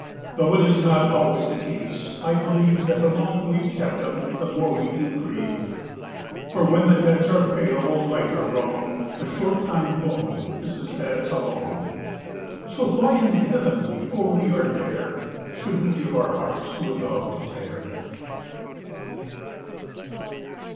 Though it is not always the case, I believe, That the longer we've kept 'em, the more do we grieve: For, when debts are payable, right or wrong, A short time loan is as bad as a long So why in Heaven (before we are there!) Should we give our hearts to a dog to tear?